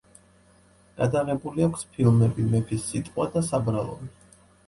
გადაღებული აქვს ფილმები „მეფის სიტყვა“ და „საბრალონი“.